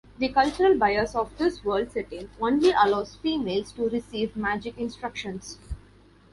The cultural bias of this world setting only allows females to receive magic instructions.